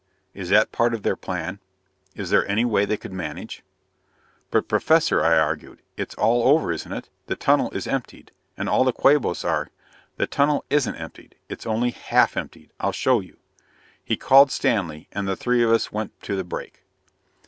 Is that part of their plan? Is there any way they could manage ...?" "But, Professor," I argued, "it's all over, isn't it? The tunnel is emptied, and all the Quabos are " "The tunnel isn't emptied. It's only half emptied! I'll show you." He called Stanley; and the three of us went to the break.